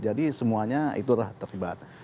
jadi semuanya itu adalah terlibat